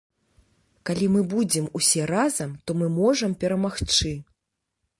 Калі мы будзем усе разам, то мы можам перамагчы.